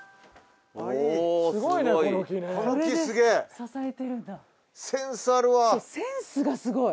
そうセンスがすごい。